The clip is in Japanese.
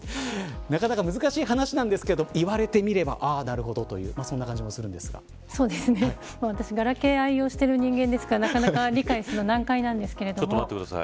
なかなか難しい話なんですけれど言われてみれば、ああなるほどという感じもするんですがそうですね、私ガラケーを愛用している人間ですからなかなか理解するの難解なんですけど。